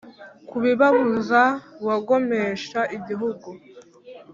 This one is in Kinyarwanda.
kubibabuza wagomesha igihugu